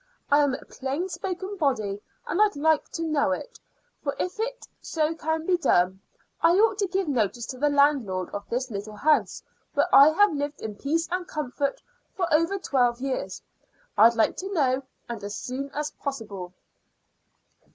I am a plain spoken body and I'd like to know it; for if so it can be done, I ought to give notice to the landlord of this little house, where I have lived in peace and comfort for over twelve years. I'd like to know, and as soon as possible."